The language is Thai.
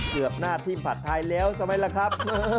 หน้าที่ผัดไทยแล้วใช่ไหมล่ะครับ